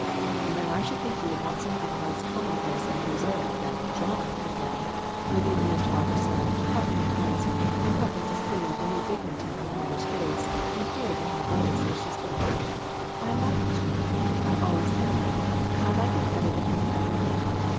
" "Then I should think you would want some thing less commonplace and prosaic than 'John' for him," would the amused father say, partly in earnest, and partly to see the new dignity on the mother's face and hear it in her voice, as she said "I like John ; I always have ; I like it better than any other name.